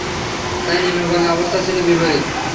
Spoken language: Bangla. তাই নিম্নবর্ণের অবস্থা ঠিক বিপরীত।